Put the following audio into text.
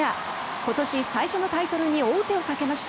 今年最初のタイトルに王手をかけました。